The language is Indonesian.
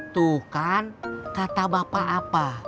tuh kan kata bapak apa